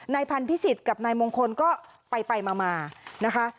พันธิสิทธิ์กับนายมงคลก็ไปมานะคะ